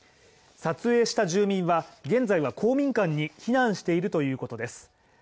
撮影した住民は現在は公民館に避難しているということです。